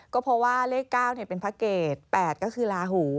ก็เพราะว่าเลข๙เป็นพระเกต๘ก็คือลาหู